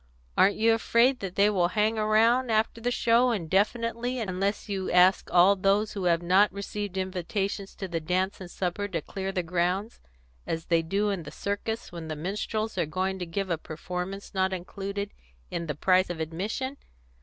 Aren't you afraid that they will hang around, after the show, indefinitely, unless you ask all those who have not received invitations to the dance and supper to clear the grounds, as they do in the circus when the minstrels are going to give a performance not included in the price of admission?